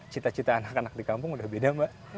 cita cita anak anak di kampung udah beda mbak